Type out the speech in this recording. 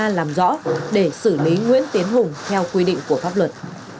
điều tra làm rõ để xử lý nguyễn tiến hùng theo quy định của pháp luật